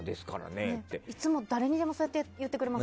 いつも誰にでもそうやって言ってくれますよね。